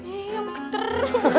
ih amat keter